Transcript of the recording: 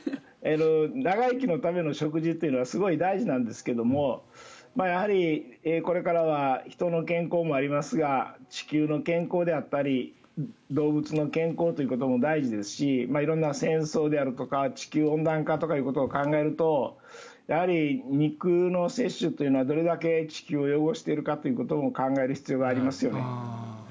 長生きのための食事というのはすごく大事なんですけどやはりこれからは人の健康もありますが地球の健康であったり動物の健康ということも大事ですし色んな戦争であるとか地球温暖化ということを考えるとやはり肉の摂取というのはどれだけ地球を汚しているかということを考える必要がありますよね。